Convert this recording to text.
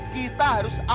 kita harus mencari